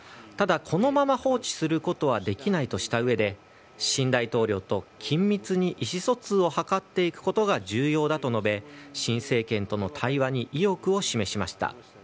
ただ、このまま放置することはできないとしたうえで新大統領と、緊密に意思疎通を図っていくことが重要だと述べ、新政権との対話に意欲を示しました。